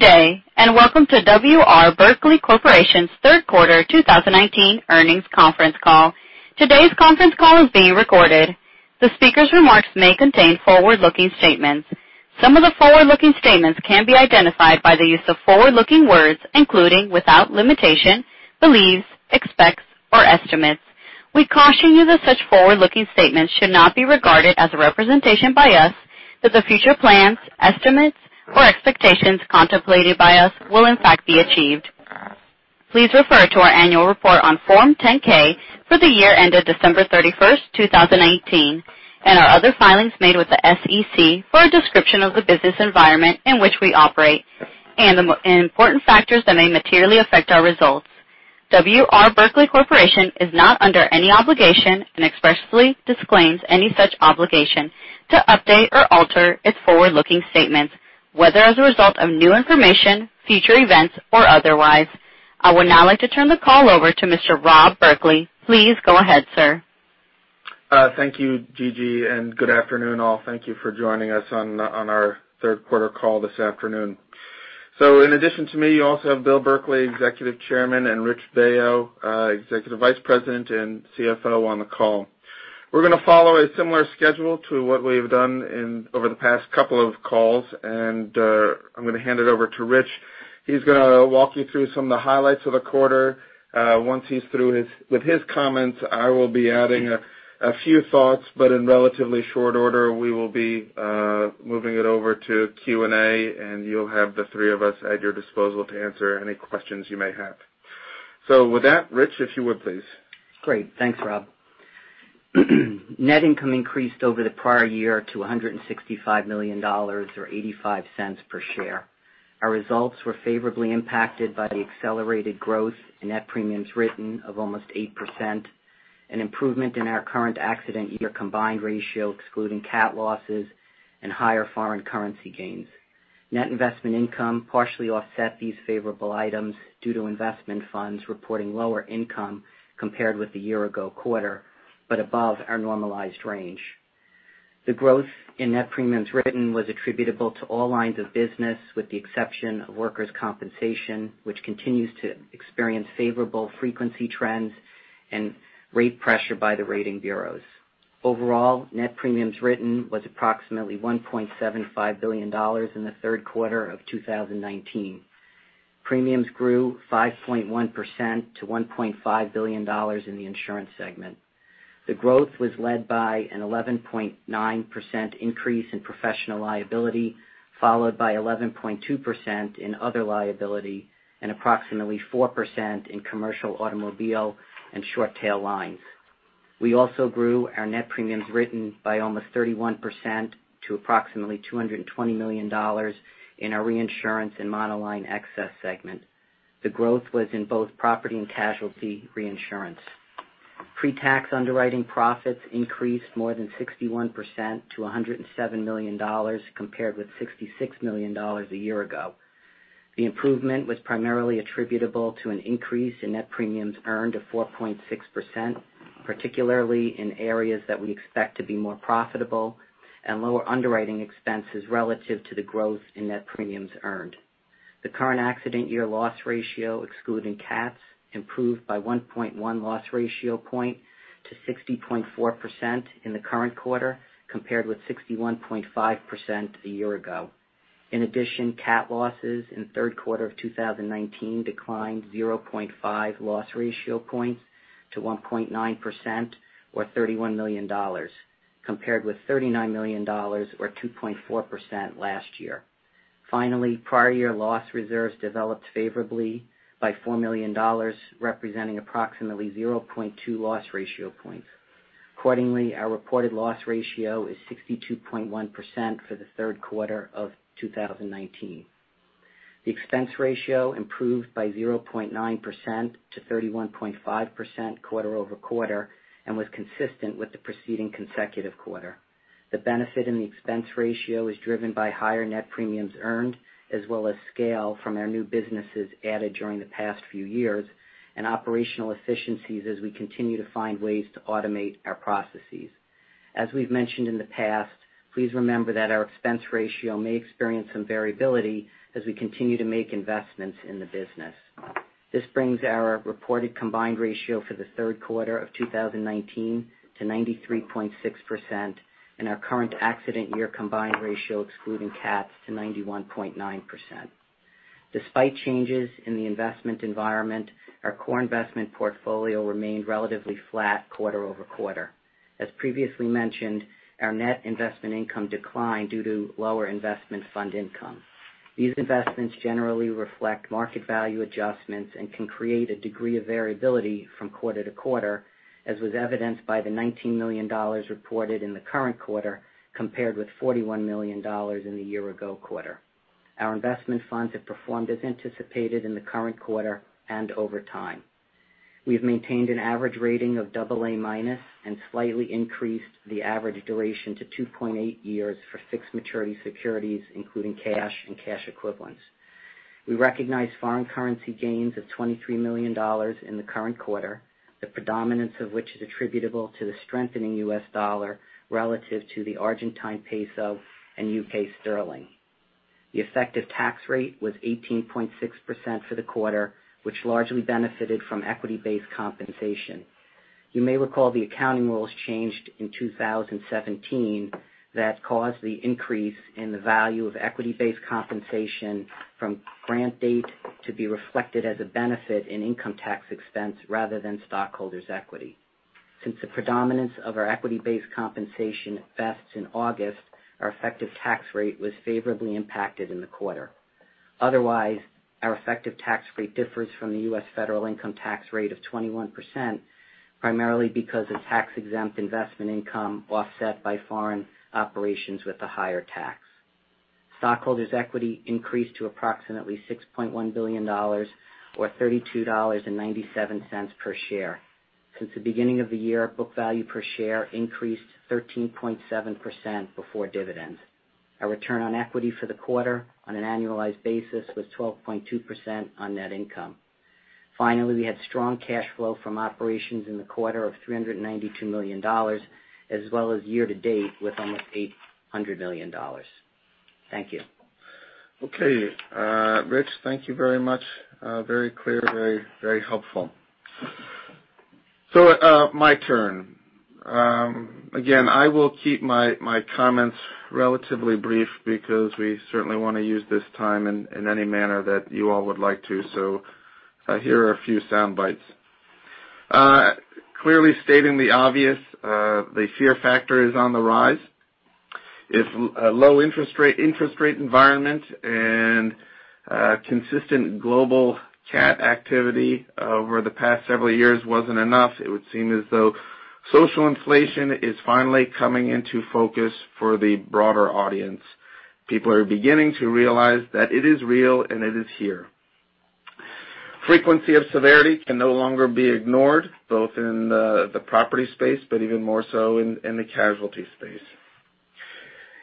Good day, welcome to W. R. Berkley Corporation's third quarter 2019 earnings conference call. Today's conference call is being recorded. The speaker's remarks may contain forward-looking statements. Some of the forward-looking statements can be identified by the use of forward-looking words, including, without limitation, believes, expects, or estimates. We caution you that such forward-looking statements should not be regarded as a representation by us that the future plans, estimates, or expectations contemplated by us will in fact be achieved. Please refer to our annual report on Form 10-K for the year ended December 31st, 2019, and our other filings made with the SEC for a description of the business environment in which we operate and the important factors that may materially affect our results. W. R. Berkley Corporation is not under any obligation and expressly disclaims any such obligation to update or alter its forward-looking statements, whether as a result of new information, future events, or otherwise. I would now like to turn the call over to Mr. Rob Berkley. Please go ahead, sir. Thank you, Gigi, good afternoon, all. Thank you for joining us on our third quarter call this afternoon. In addition to me, you also have Bill Berkley, Executive Chairman, and Rich Baio, Executive Vice President and CFO, on the call. We're going to follow a similar schedule to what we've done over the past couple of calls, I'm going to hand it over to Rich. He's going to walk you through some of the highlights of the quarter. Once he's through with his comments, I will be adding a few thoughts, but in relatively short order, we will be moving it over to Q&A, you'll have the three of us at your disposal to answer any questions you may have. With that, Rich, if you would, please. Great. Thanks, Rob. Net income increased over the prior year to $165 million, or $0.85 per share. Our results were favorably impacted by the accelerated growth in net premiums written of almost 8%, an improvement in our current accident year combined ratio excluding cat losses, and higher foreign currency gains. Net investment income partially offset these favorable items due to investment funds reporting lower income compared with the year-ago quarter, but above our normalized range. The growth in net premiums written was attributable to all lines of business, with the exception of workers' compensation, which continues to experience favorable frequency trends and rate pressure by the rating bureaus. Overall, net premiums written was approximately $1.75 billion in the third quarter of 2019. Premiums grew 5.1% to $1.5 billion in the insurance segment. The growth was led by an 11.9% increase in professional liability, followed by 11.2% in other liability and approximately 4% in commercial automobile and short-tail lines. We also grew our net premiums written by almost 31% to approximately $220 million in our reinsurance and monoline excess segment. The growth was in both property and casualty reinsurance. Pre-tax underwriting profits increased more than 61% to $107 million, compared with $66 million a year ago. The improvement was primarily attributable to an increase in net premiums earned of 4.6%, particularly in areas that we expect to be more profitable and lower underwriting expenses relative to the growth in net premiums earned. The current accident year loss ratio, excluding cats, improved by 1.1 loss ratio point to 60.4% in the current quarter, compared with 61.5% a year ago. In addition, cat losses in third quarter of 2019 declined 0.5 loss ratio points to 1.9%, or $31 million, compared with $39 million, or 2.4%, last year. Finally, prior year loss reserves developed favorably by $4 million, representing approximately 0.2 loss ratio points. Accordingly, our reported loss ratio is 62.1% for the third quarter of 2019. The expense ratio improved by 0.9% to 31.5% quarter-over-quarter and was consistent with the preceding consecutive quarter. The benefit in the expense ratio is driven by higher net premiums earned, as well as scale from our new businesses added during the past few years and operational efficiencies as we continue to find ways to automate our processes. As we've mentioned in the past, please remember that our expense ratio may experience some variability as we continue to make investments in the business. This brings our reported combined ratio for the third quarter of 2019 to 93.6%, and our current accident year combined ratio, excluding cats, to 91.9%. Despite changes in the investment environment, our core investment portfolio remained relatively flat quarter-over-quarter. As previously mentioned, our net investment income declined due to lower investment fund income. These investments generally reflect market value adjustments and can create a degree of variability from quarter to quarter, as was evidenced by the $19 million reported in the current quarter compared with $41 million in the year-ago quarter. Our investment funds have performed as anticipated in the current quarter and over time. We've maintained an average rating of AA- and slightly increased the average duration to 2.8 years for fixed-maturity securities, including cash and cash equivalents. We recognize foreign currency gains of $23 million in the current quarter, the predominance of which is attributable to the strengthening U.S. dollar relative to the Argentine peso and UK sterling. The effective tax rate was 18.6% for the quarter, which largely benefited from equity-based compensation. You may recall the accounting rules changed in 2017 that caused the increase in the value of equity-based compensation from grant date to be reflected as a benefit in income tax expense rather than stockholders' equity. Since the predominance of our equity-based compensation vests in August, our effective tax rate was favorably impacted in the quarter. Otherwise, our effective tax rate differs from the U.S. federal income tax rate of 21%, primarily because of tax-exempt investment income offset by foreign operations with a higher tax. Stockholders' equity increased to approximately $6.1 billion or $32.97 per share. Since the beginning of the year, book value per share increased 13.7% before dividends. Our return on equity for the quarter on an annualized basis was 12.2% on net income. Finally, we had strong cash flow from operations in the quarter of $392 million, as well as year to date with almost $800 million. Thank you. Okay. Rich, thank you very much. Very clear, very helpful. My turn. Again, I will keep my comments relatively brief because we certainly want to use this time in any manner that you all would like to. Here are a few sound bites. Clearly stating the obvious, the fear factor is on the rise. If a low interest rate environment and consistent global cat activity over the past several years wasn't enough, it would seem as though social inflation is finally coming into focus for the broader audience. People are beginning to realize that it is real, and it is here. Frequency of severity can no longer be ignored, both in the property space, but even more so in the casualty space.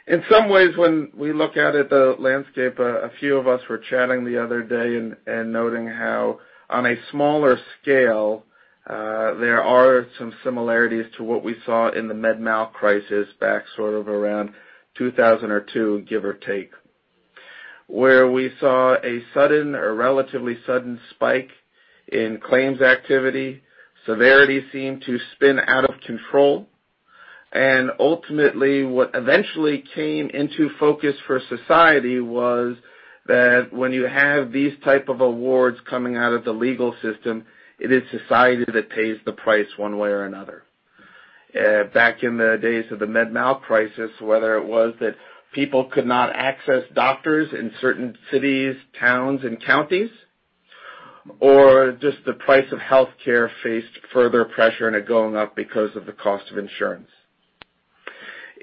In some ways, when we look at it, the landscape, a few of us were chatting the other day and noting how, on a smaller scale, there are some similarities to what we saw in the med mal crisis back sort of around 2002, give or take, where we saw a sudden or relatively sudden spike in claims activity. Severity seemed to spin out of control, ultimately what eventually came into focus for society was that when you have these type of awards coming out of the legal system, it is society that pays the price one way or another. Back in the days of the med mal crisis, whether it was that people could not access doctors in certain cities, towns, and counties, or just the price of healthcare faced further pressure and it going up because of the cost of insurance.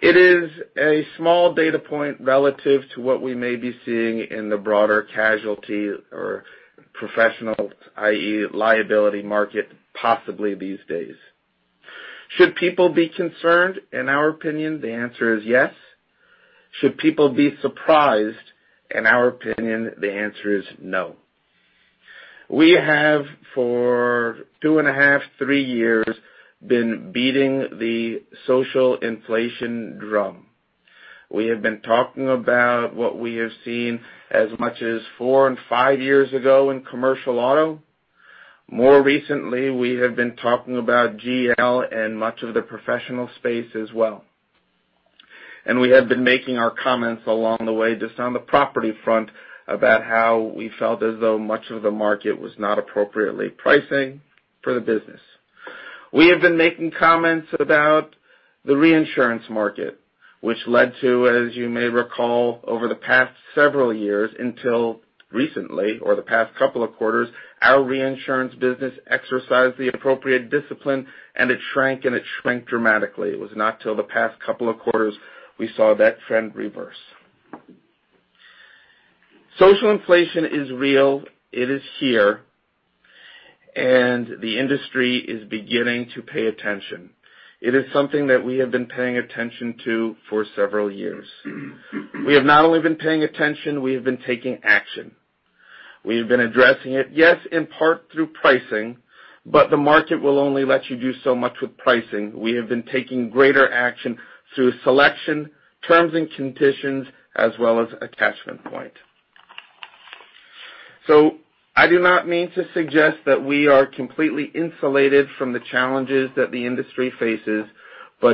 It is a small data point relative to what we may be seeing in the broader casualty or professional, i.e., liability market possibly these days. Should people be concerned? In our opinion, the answer is yes. Should people be surprised? In our opinion, the answer is no. We have for two and a half, three years been beating the social inflation drum. We have been talking about what we have seen as much as four and five years ago in commercial auto. More recently, we have been talking about GL and much of the professional space as well. We have been making our comments along the way just on the property front about how we felt as though much of the market was not appropriately pricing for the business. We have been making comments about the reinsurance market, which led to, as you may recall, over the past several years until recently, or the past couple of quarters, our reinsurance business exercised the appropriate discipline and it shrank, and it shrank dramatically. It was not till the past couple of quarters we saw that trend reverse. Social inflation is real, it is here, and the industry is beginning to pay attention. It is something that we have been paying attention to for several years. We have not only been paying attention, we have been taking action. We have been addressing it, yes, in part through pricing, but the market will only let you do so much with pricing. We have been taking greater action through selection, terms and conditions, as well as attachment point. I do not mean to suggest that we are completely insulated from the challenges that the industry faces.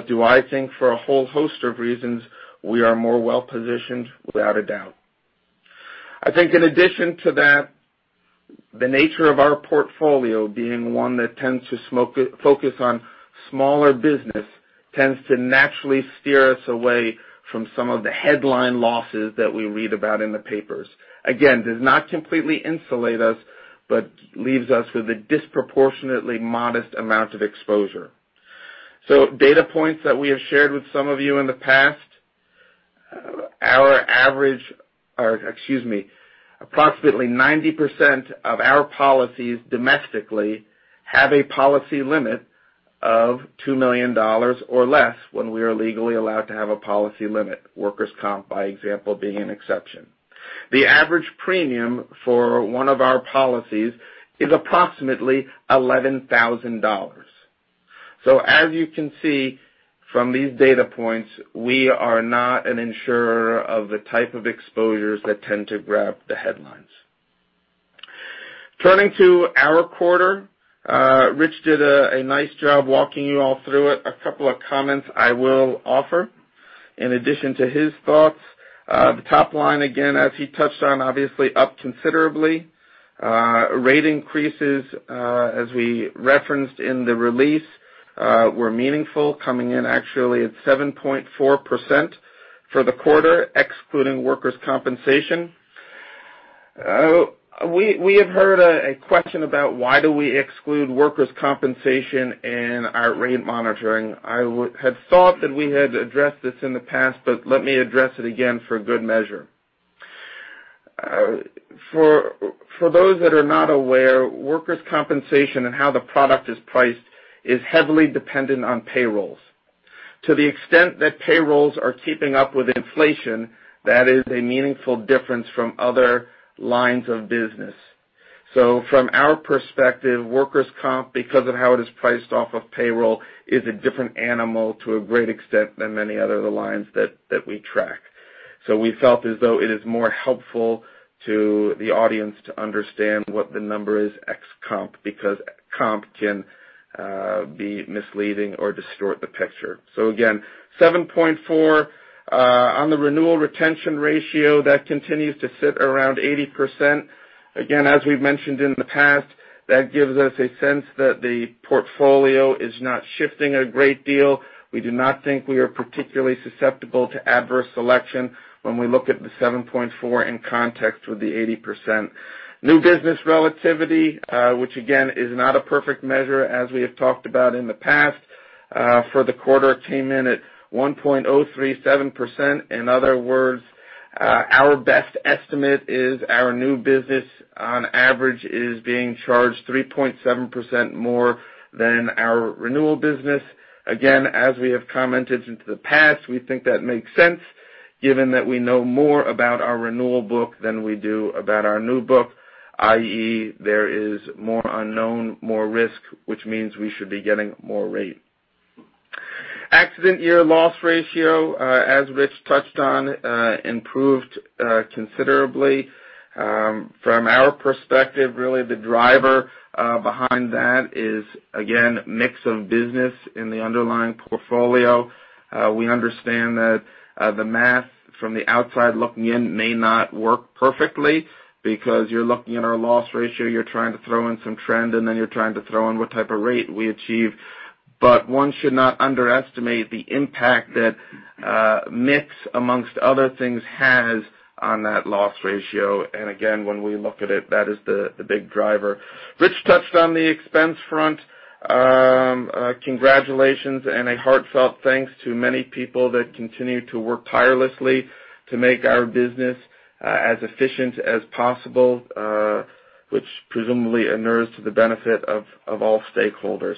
Do I think for a whole host of reasons we are more well-positioned? Without a doubt. I think in addition to that, the nature of our portfolio being one that tends to focus on smaller business tends to naturally steer us away from some of the headline losses that we read about in the papers. Again, does not completely insulate us, but leaves us with a disproportionately modest amount of exposure. Data points that we have shared with some of you in the past, our average, or excuse me, approximately 90% of our policies domestically have a policy limit of $2 million or less when we are legally allowed to have a policy limit. Workers' comp, by example, being an exception. The average premium for one of our policies is approximately $11,000. As you can see from these data points, we are not an insurer of the type of exposures that tend to grab the headlines. Turning to our quarter, Rich did a nice job walking you all through it. A couple of comments I will offer in addition to his thoughts. The top line, again, as he touched on, obviously up considerably. Rate increases, as we referenced in the release, were meaningful, coming in actually at 7.4% for the quarter, excluding workers' compensation. We have heard a question about why do we exclude workers' compensation in our rate monitoring. I had thought that we had addressed this in the past, but let me address it again for good measure. For those that are not aware, workers' compensation and how the product is priced is heavily dependent on payrolls. To the extent that payrolls are keeping up with inflation, that is a meaningful difference from other lines of business. From our perspective, workers' comp, because of how it is priced off of payroll, is a different animal to a great extent than many other lines that we track. We felt as though it is more helpful to the audience to understand what the number is ex comp, because comp can be misleading or distort the picture. Again, 7.4 on the renewal retention ratio, that continues to sit around 80%. Again, as we've mentioned in the past, that gives us a sense that the portfolio is not shifting a great deal. We do not think we are particularly susceptible to adverse selection when we look at the 7.4 in context with the 80%. New business relativity, which again, is not a perfect measure as we have talked about in the past, for the quarter came in at 1.037%. In other words, our best estimate is our new business, on average, is being charged 3.7% more than our renewal business. Again, as we have commented into the past, we think that makes sense given that we know more about our renewal book than we do about our new book, i.e., there is more unknown, more risk, which means we should be getting more rate. Accident year loss ratio, as Rich touched on, improved considerably. From our perspective, really the driver behind that is, again, mix of business in the underlying portfolio. We understand that the math from the outside looking in may not work perfectly because you're looking at our loss ratio, you're trying to throw in some trend, and then you're trying to throw in what type of rate we achieve. One should not underestimate the impact that mix, amongst other things, has on that loss ratio. Again, when we look at it, that is the big driver. Rich touched on the expense front. Congratulations and a heartfelt thanks to many people that continue to work tirelessly to make our business as efficient as possible, which presumably inures to the benefit of all stakeholders.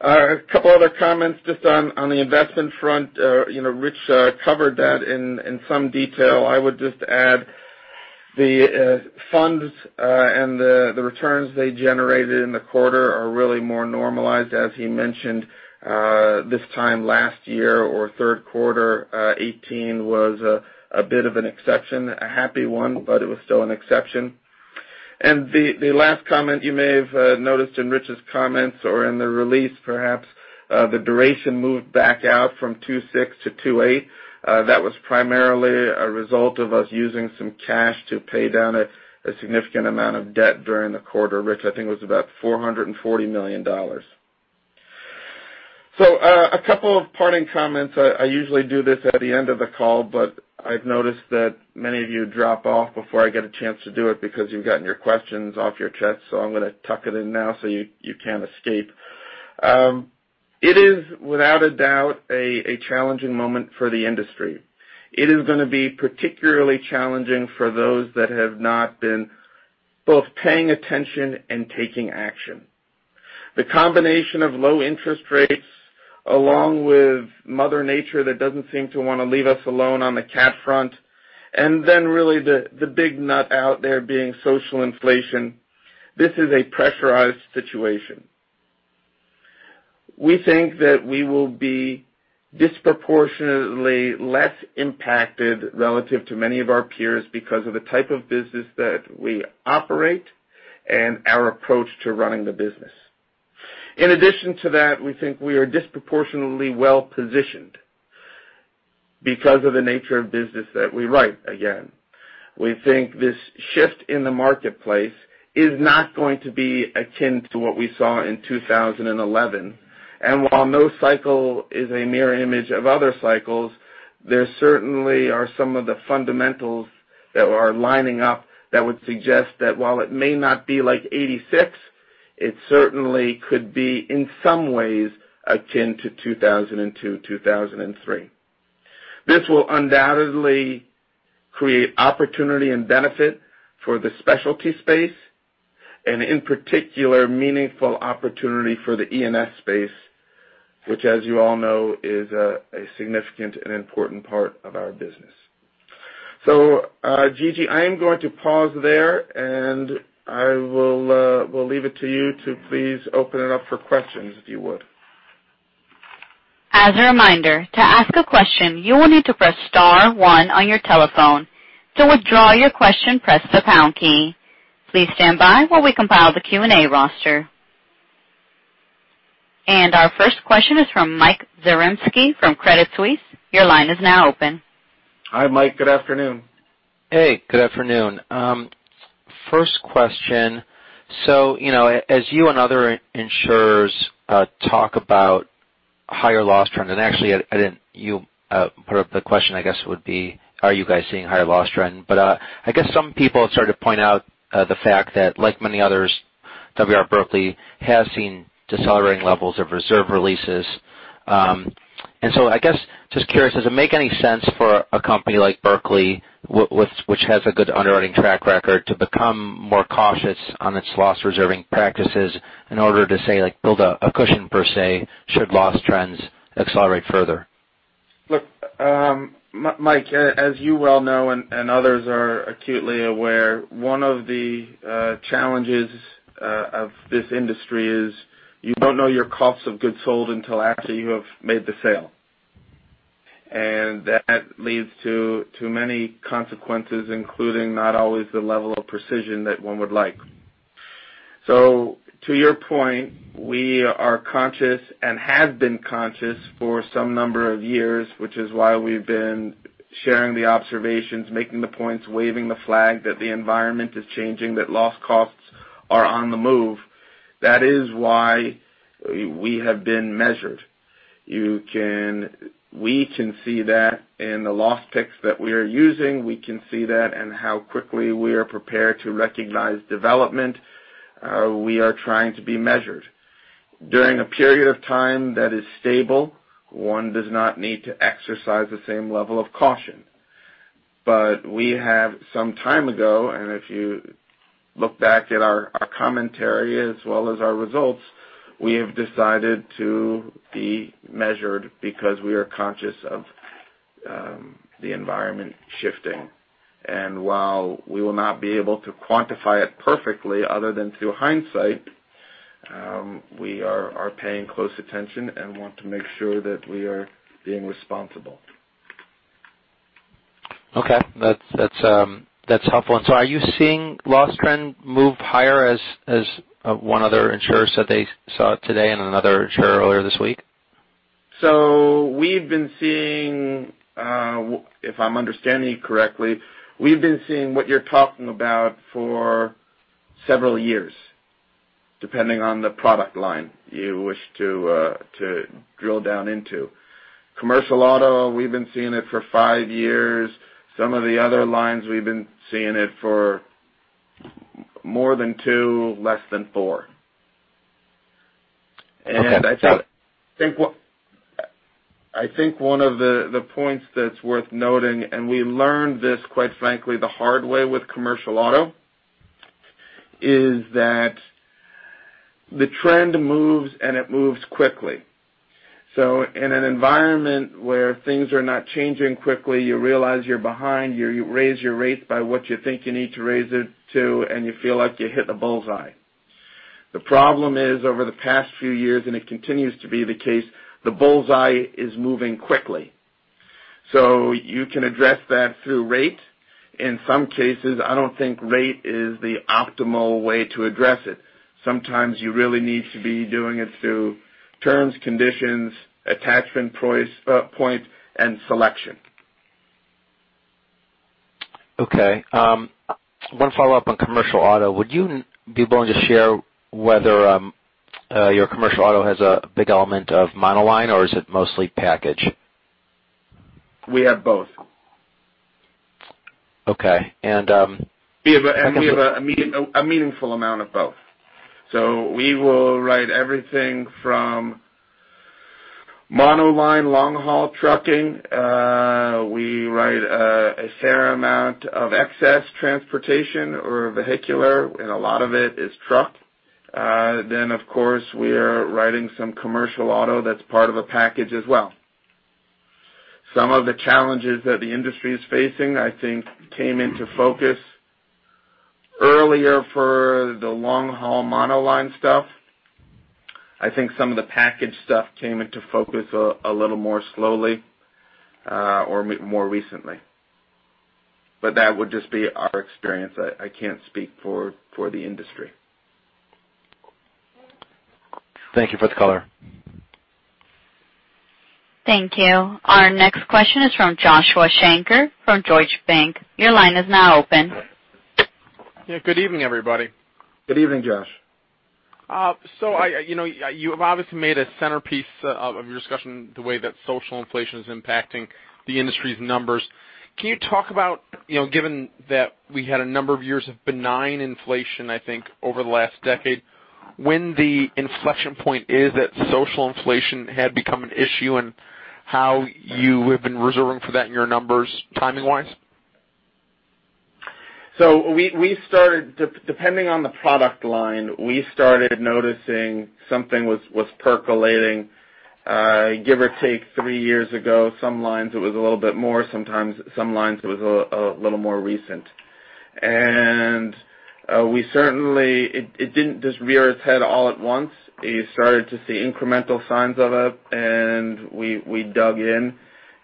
A couple other comments just on the investment front. Rich covered that in some detail. I would just add the funds and the returns they generated in the quarter are really more normalized, as he mentioned, this time last year or third quarter 2018 was a bit of an exception, a happy one, but it was still an exception. The last comment you may have noticed in Rich's comments or in the release, perhaps, the duration moved back out from two six to two eight. That was primarily a result of us using some cash to pay down a significant amount of debt during the quarter. Rich, I think it was about $440 million. A couple of parting comments. I usually do this at the end of the call, but I've noticed that many of you drop off before I get a chance to do it because you've gotten your questions off your chest. I'm going to tuck it in now so you can't escape. It is, without a doubt, a challenging moment for the industry. It is going to be particularly challenging for those that have not been both paying attention and taking action. The combination of low interest rates, along with mother nature that doesn't seem to want to leave us alone on the cat front, and then really the big nut out there being social inflation. This is a pressurized situation. We think that we will be disproportionately less impacted relative to many of our peers because of the type of business that we operate and our approach to running the business. In addition to that, we think we are disproportionately well-positioned because of the nature of business that we write, again. We think this shift in the marketplace is not going to be akin to what we saw in 2011. While no cycle is a mirror image of other cycles, there certainly are some of the fundamentals that are lining up that would suggest that while it may not be like 1986, it certainly could be, in some ways, akin to 2002, 2003. This will undoubtedly create opportunity and benefit for the specialty space, and in particular, meaningful opportunity for the E&S space, which as you all know, is a significant and important part of our business. Gigi, I am going to pause there, and I will leave it to you to please open it up for questions if you would. As a reminder, to ask a question, you will need to press star one on your telephone. To withdraw your question, press the pound key. Please stand by while we compile the Q&A roster. Our first question is from Mike Zaremski from Credit Suisse. Your line is now open. Hi, Mike. Good afternoon. Hey, good afternoon. First question. As you and other insurers talk about higher loss trends, and actually, You put up the question, I guess would be, are you guys seeing higher loss trend? But I guess some people have started to point out the fact that like many others, W. R. Berkley has seen decelerating levels of reserve releases. I guess, just curious, does it make any sense for a company like Berkley, which has a good underwriting track record, to become more cautious on its loss reserving practices in order to, say, build a cushion, per se, should loss trends accelerate further? Look, Mike, as you well know and others are acutely aware, one of the challenges of this industry is you don't know your cost of goods sold until after you have made the sale. That leads to many consequences, including not always the level of precision that one would like. To your point, we are conscious and have been conscious for some number of years, which is why we've been sharing the observations, making the points, waving the flag that the environment is changing, that loss costs are on the move. That is why we have been measured. We can see that in the loss picks that we are using. We can see that in how quickly we are prepared to recognize development. We are trying to be measured. During a period of time that is stable, one does not need to exercise the same level of caution. We have some time ago, if you look back at our commentary as well as our results, we have decided to be measured because we are conscious of the environment shifting. While we will not be able to quantify it perfectly other than through hindsight, we are paying close attention and want to make sure that we are being responsible. Okay. That's helpful. Are you seeing loss trend move higher as one other insurer said they saw today and another insurer earlier this week? We've been seeing, if I'm understanding you correctly, we've been seeing what you're talking about for several years, depending on the product line you wish to drill down into. commercial auto, we've been seeing it for five years. Some of the other lines we've been seeing it for more than two, less than four. Okay, got it. I think one of the points that's worth noting, and we learned this, quite frankly, the hard way with commercial auto, is that the trend moves, and it moves quickly. In an environment where things are not changing quickly, you realize you're behind, you raise your rates by what you think you need to raise it to, and you feel like you hit the bullseye. The problem is, over the past few years, and it continues to be the case, the bullseye is moving quickly. You can address that through rate. In some cases, I don't think rate is the optimal way to address it. Sometimes you really need to be doing it through terms, conditions, attachment points, and selection. Okay. One follow-up on commercial auto. Would you be willing to share whether your commercial auto has a big element of monoline, or is it mostly package? We have both. Okay. We have a meaningful amount of both. We will write everything from monoline long-haul trucking. We write a fair amount of excess transportation or vehicular, and a lot of it is truck. Of course, we are writing some commercial auto that's part of a package as well. Some of the challenges that the industry is facing, I think, came into focus earlier for the long-haul monoline stuff. I think some of the package stuff came into focus a little more slowly, or more recently. That would just be our experience. I can't speak for the industry. Thank you for the color. Thank you. Our next question is from Joshua Shanker from Deutsche Bank. Your line is now open. Yeah. Good evening, everybody. Good evening, Josh. You have obviously made a centerpiece of your discussion the way that social inflation is impacting the industry's numbers. Can you talk about, given that we had a number of years of benign inflation, I think, over the last decade, when the inflection point is that social inflation had become an issue, and how you have been reserving for that in your numbers, timing-wise? Depending on the product line, we started noticing something was percolating give or take three years ago. Some lines, it was a little bit more. Some lines, it was a little more recent. It didn't just rear its head all at once. You started to see incremental signs of it, and we dug in.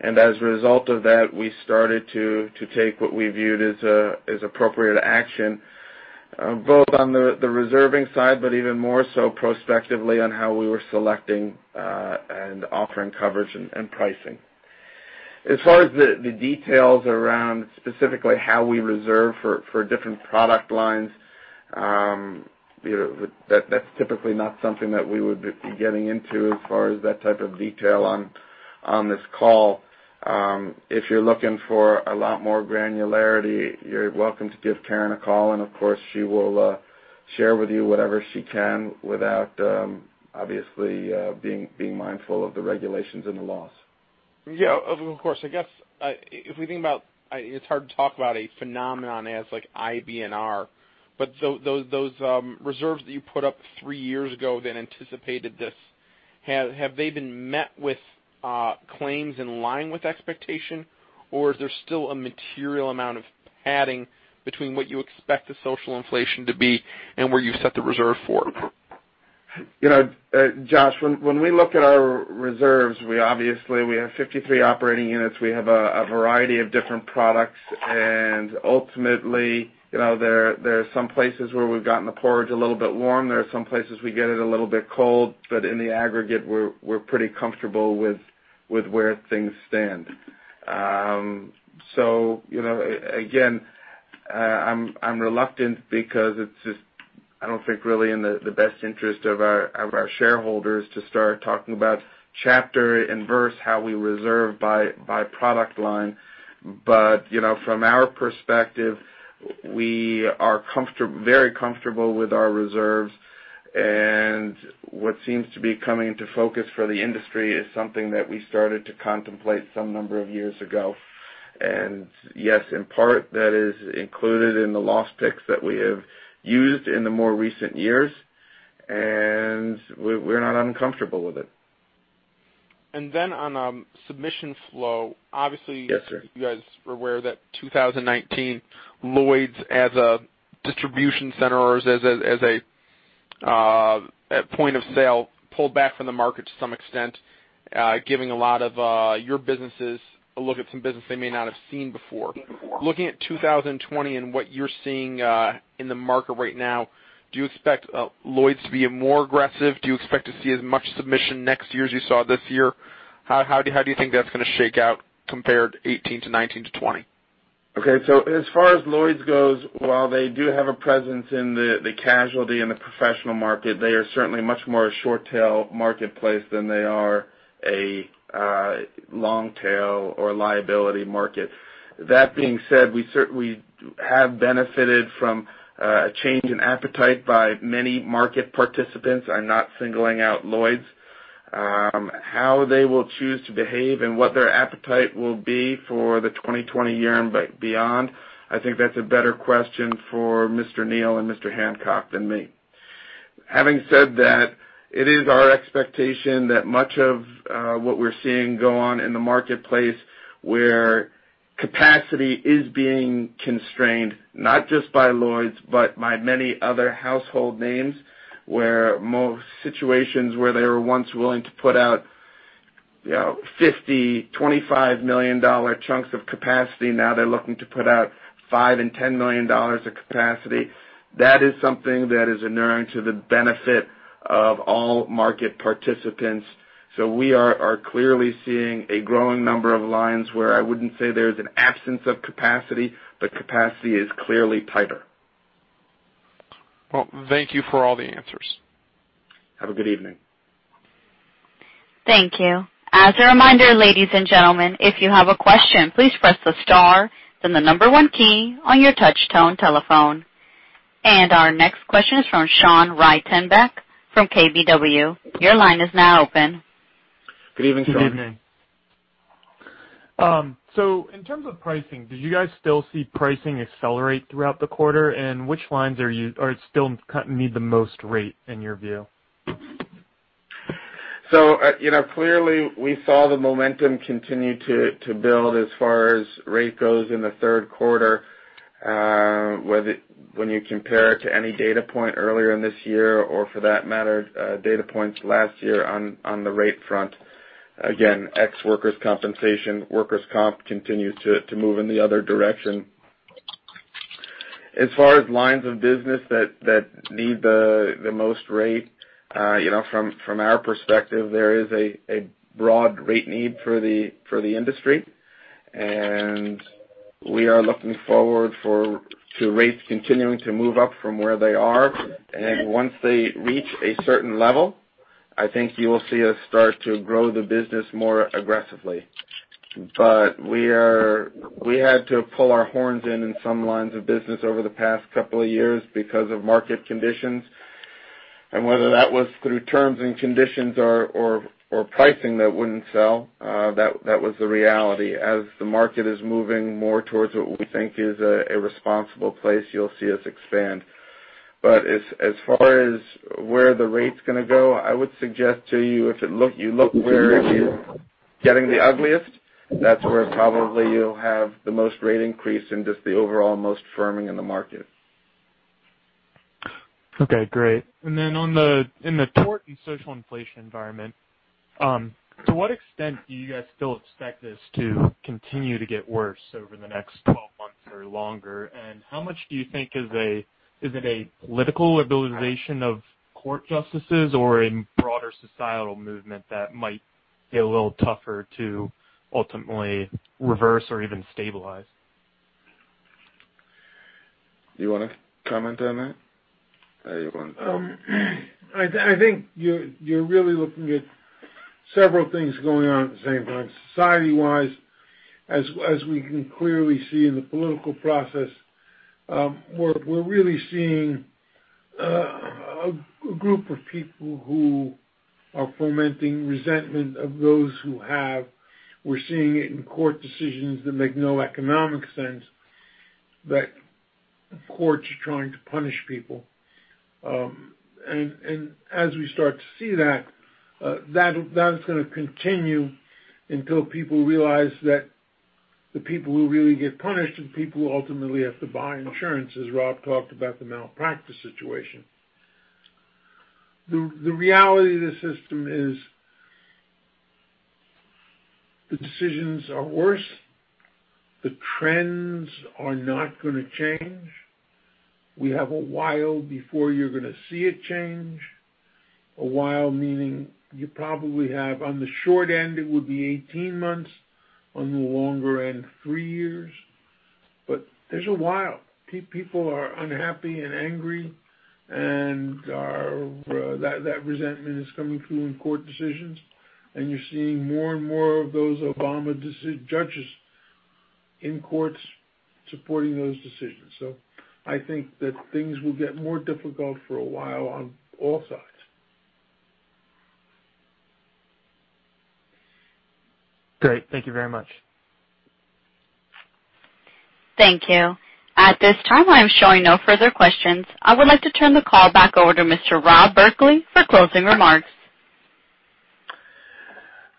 As a result of that, we started to take what we viewed as appropriate action, both on the reserving side, but even more so prospectively on how we were selecting and offering coverage and pricing. As far as the details around specifically how we reserve for different product lines, that's typically not something that we would be getting into as far as that type of detail on this call. If you're looking for a lot more granularity, you're welcome to give Karen a call, and of course, she will share with you whatever she can without obviously being mindful of the regulations and the laws. Yeah, of course. I guess, if we think about, it's hard to talk about a phenomenon as IBNR. Those reserves that you put up three years ago that anticipated this, have they been met with claims in line with expectation, or is there still a material amount of padding between what you expect the social inflation to be and where you set the reserve for? Josh, when we look at our reserves, we obviously have 53 operating units. We have a variety of different products, ultimately, there are some places where we've gotten the porridge a little bit warm. There are some places we get it a little bit cold, in the aggregate, we're pretty comfortable with where things stand. Again, I'm reluctant because it's just I don't think really in the best interest of our shareholders to start talking about chapter and verse how we reserve by product line. From our perspective, we are very comfortable with our reserves, what seems to be coming into focus for the industry is something that we started to contemplate some number of years ago. Yes, in part, that is included in the loss picks that we have used in the more recent years, we're not uncomfortable with it. On submission flow, obviously. Yes, sir You guys were aware that 2019, Lloyd's as a distribution center or as a point of sale, pulled back from the market to some extent, giving a lot of your businesses a look at some business they may not have seen before. Looking at 2020 and what you're seeing in the market right now, do you expect Lloyd's to be more aggressive? Do you expect to see as much submission next year as you saw this year? How do you think that's going to shake out compared 2018 to 2019 to 2020? Okay. As far as Lloyd's goes, while they do have a presence in the casualty and the professional market, they are certainly much more a short-tail marketplace than they are a long-tail or liability market. That being said, we have benefited from a change in appetite by many market participants. I'm not singling out Lloyd's. How they will choose to behave and what their appetite will be for the 2020 year and beyond, I think that's a better question for Mr. Neal and Mr. Hancock than me. Having said that, it is our expectation that much of what we're seeing go on in the marketplace, where capacity is being constrained, not just by Lloyd's, but by many other household names, where most situations where they were once willing to put out $50 million, $25 million chunks of capacity, now they're looking to put out $5 million and $10 million of capacity. That is something that is inuring to the benefit of all market participants. We are clearly seeing a growing number of lines where I wouldn't say there's an absence of capacity, but capacity is clearly tighter. Well, thank you for all the answers. Have a good evening. Thank you. As a reminder, ladies and gentlemen, if you have a question, please press the star, then the number one key on your touch tone telephone. Our next question is from Meyer Shields from KBW. Your line is now open. Good evening, Meyer. Good evening. In terms of pricing, do you guys still see pricing accelerate throughout the quarter? Which lines are still need the most rate in your view? Clearly, we saw the momentum continue to build as far as rate goes in the third quarter when you compare it to any data point earlier in this year or for that matter, data points last year on the rate front. Again, ex workers' compensation, workers' comp continued to move in the other direction. As far as lines of business that need the most rate, from our perspective, there is a broad rate need for the industry, and we are looking forward to rates continuing to move up from where they are. Once they reach a certain level I think you will see us start to grow the business more aggressively. We had to pull our horns in in some lines of business over the past couple of years because of market conditions, and whether that was through terms and conditions or pricing that wouldn't sell, that was the reality. As the market is moving more towards what we think is a responsible place, you'll see us expand. As far as where the rate's going to go, I would suggest to you, if you look where it is getting the ugliest, that's where probably you'll have the most rate increase in just the overall most firming in the market. Okay, great. Then in the tort and social inflation environment, to what extent do you guys still expect this to continue to get worse over the next 12 months or longer? How much do you think, is it a political mobilization of court justices or a broader societal movement that might be a little tougher to ultimately reverse or even stabilize? You want to comment on that? Or you want- I think you're really looking at several things going on at the same time. Society-wise, as we can clearly see in the political process, we're really seeing a group of people who are fomenting resentment of those who have. We're seeing it in court decisions that make no economic sense, that courts are trying to punish people. As we start to see that is going to continue until people realize that the people who really get punished are the people who ultimately have to buy insurance, as Rob talked about the malpractice situation. The reality of the system is the decisions are worse. The trends are not going to change. We have a while before you're going to see a change. A while meaning you probably have, on the short end, it would be 18 months, on the longer end, 3 years. There's a while. People are unhappy and angry, and that resentment is coming through in court decisions, and you're seeing more and more of those Obama judges in courts supporting those decisions. I think that things will get more difficult for a while on all sides. Great. Thank you very much. Thank you. At this time, I am showing no further questions. I would like to turn the call back over to Mr. Rob Berkley for closing remarks.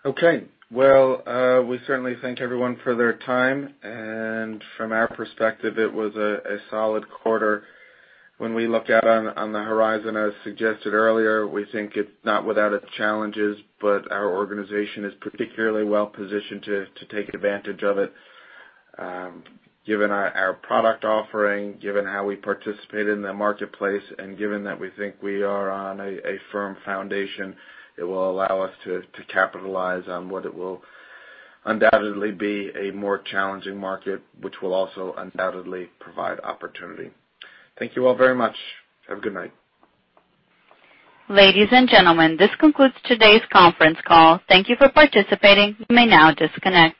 Okay. Well, we certainly thank everyone for their time, from our perspective, it was a solid quarter. When we look out on the horizon, as suggested earlier, we think it's not without its challenges, our organization is particularly well-positioned to take advantage of it, given our product offering, given how we participate in the marketplace, and given that we think we are on a firm foundation that will allow us to capitalize on what it will undoubtedly be a more challenging market, which will also undoubtedly provide opportunity. Thank you all very much. Have a good night. Ladies and gentlemen, this concludes today's conference call. Thank you for participating. You may now disconnect.